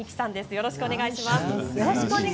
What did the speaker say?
よろしくお願いします。